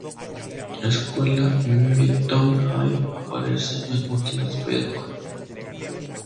Escuela Midtown High aparece en "Ultimate Spider-Man".